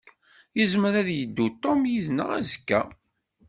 Yezmer ad yeddu Tom yid-neɣ azekka.